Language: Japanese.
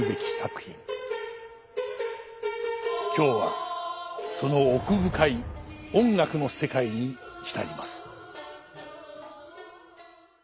今日はその奥深い音楽の世界に浸ります。